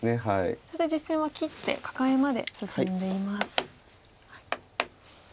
そして実戦は切ってカカエまで進んでいます。